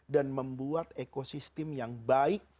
dan membuat ekosistem yang baik